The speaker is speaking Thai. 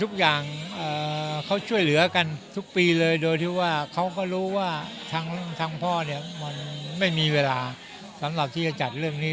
ทุกอย่างเขาช่วยเหลือกันทุกปีเลยโดยที่ว่าเขาก็รู้ว่าทางพ่อเนี่ยมันไม่มีเวลาสำหรับที่จะจัดเรื่องนี้